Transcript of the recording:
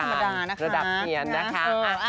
ไม่ธรรมดานะคะระดับเนียนนะคะ